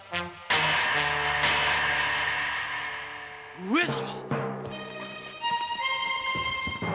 上様！